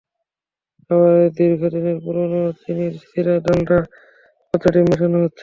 খাবারে দীর্ঘদিনের পুরোনো চিনির সিরা, ডালডা, এমনকি পচা ডিম মেশানো হচ্ছে।